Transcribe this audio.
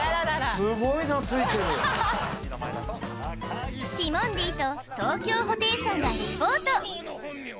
すごいなついてるティモンディと東京ホテイソンがリポート